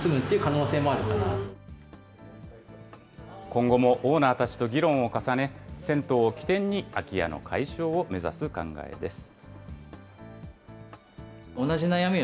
今後もオーナーたちと議論を重ね、銭湯を起点に空き家の解消を目指す考えです。